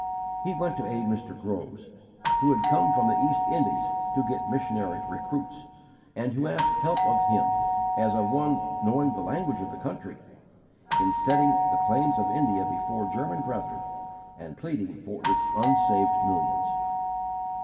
He went to aid Mr. Groves, who had come from the East Indies to get missionary recruits, and who asked help of him, as of one knowing the language of the country, in setting the claims of India before German brethren, and pleading for its unsaved millions.